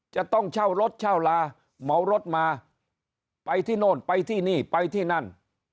จะต้องเช่ารถเช่าลาเหมารถมาไปที่โน่นไปที่นี่ไปที่นั่น